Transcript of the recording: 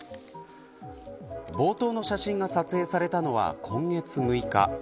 冒頭の写真が撮影されたのは今月６日。